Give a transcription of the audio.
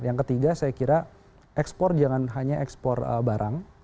yang ketiga saya kira ekspor jangan hanya ekspor barang